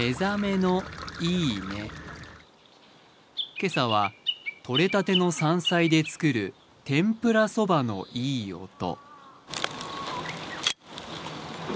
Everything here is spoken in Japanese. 今朝はとれたての山菜で作る天ぷらそばのいい音。